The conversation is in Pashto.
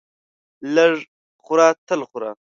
لږ خوره تل خوره.